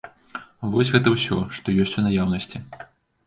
Вось гэта ўсё, што ёсць у наяўнасці.